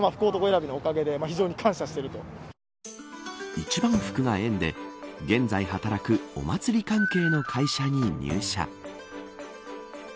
一番福が縁で現在働く、お祭り関係の会社に入社。